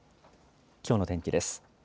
きょうの天気です。